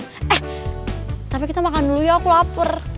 eh tapi kita makan dulu ya aku lapar